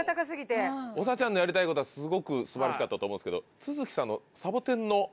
長ちゃんのやりたいことはすごく素晴らしかったと思うんですけど。